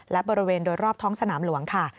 และบริเวณโดยรอบท้องสนามหลวงค่ะ